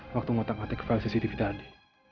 waktu gue tak ngetik file cctv tadi